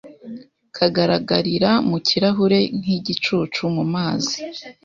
kugaragarira mu kirahure nkigicucu mu mazi